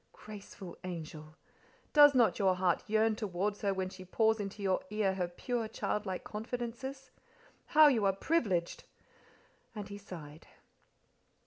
Graceful angel! Does not your heart yearn towards her when she pours into your ear her pure, childlike confidences? How you are privileged!" And he sighed.